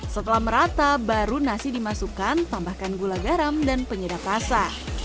setelah merata baru nasi dimasukkan tambahkan gula garam dan penyedap rasa